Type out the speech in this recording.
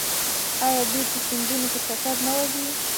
آیا دوی په سیندونو کې چکر نه وهي؟